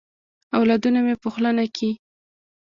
اولادونه مي په خوله نه کیې.